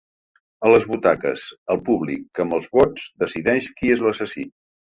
A les butaques: el públic que amb els vots decideix qui és l’assassí.